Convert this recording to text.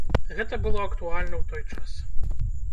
Гэта было актуальна ў той час.